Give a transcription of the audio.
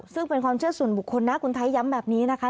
ซึ่งเป็นความเชื่อส่วนบุคคลนะคุณไทยย้ำแบบนี้นะคะ